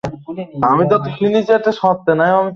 প্রতিটি প্রস্তর নিক্ষেপের পরেই দেখা যায় একটি প্রতিক্রিয়া।